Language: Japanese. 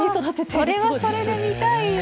それはそれで見たい！